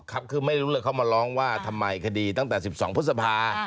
ครับคือไม่รู้เลยเขามาร้องว่าทำไมคดีตั้งแต่๑๒พฤษภา